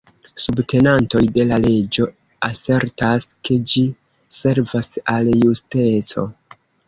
Subtenantoj de la leĝo asertas, ke ĝi servas al justeco.